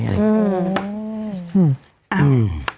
อืม